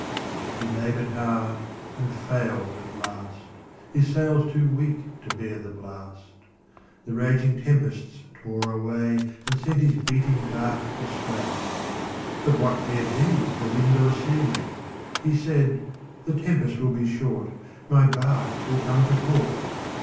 He labored hard and failed at last, His sails too weak to bear the blast, The raging tempests tore away And sent his beating bark astray. But what cared he For wind or sea! He said, "The tempest will be short, My bark will come to port."